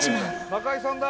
中居さんだ！